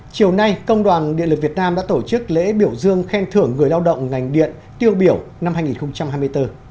chiều nay công đoàn điện lực việt nam đã tổ chức lễ biểu dương khen thưởng người lao động ngành điện tiêu biểu năm hai nghìn hai mươi bốn